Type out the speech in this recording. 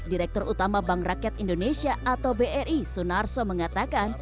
direktur utama bank rakyat indonesia atau bri sunarso mengatakan